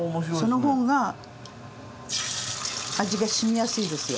その方が味がしみやすいですよ。